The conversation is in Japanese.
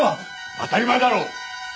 当たり前だろう！